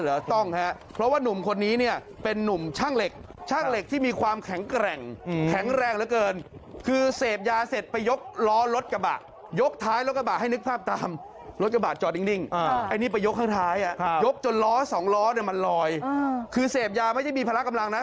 ล้อสองล้อเนี่ยมันลอยคือเสพยาไม่ได้มีพละกำลังนะ